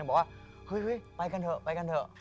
บอกว่าเฮ้ยไปกันเถอะไปกันเถอะ